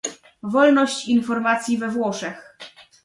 Wolność informacji we Włoszech